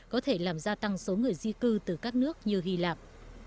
có thể làm gia tăng số người di cư từ các nước như hy lạp